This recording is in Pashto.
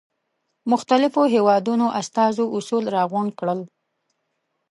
مختلفو هېوادونو استازو اصول را غونډ کړل.